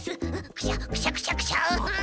クシャクシャクシャクシャ。